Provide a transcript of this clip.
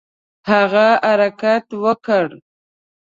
هغه حرکت وکړ.